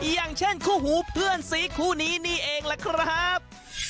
อย่างเช่นคู่หูเพื่อนสีคู่นี้นี่เองล่ะครับ